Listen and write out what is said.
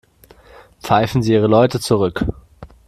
Pfeifen Sie Ihre Leute zurück.